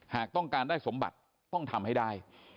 หากต้องการได้สมบัติต้องทำให้ได้